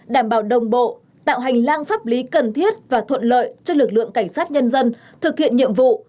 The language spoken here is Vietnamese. đảm bảo đồng bộ tạo hành lang pháp lý cần thiết và thuận lợi cho lực lượng cảnh sát nhân dân thực hiện nhiệm vụ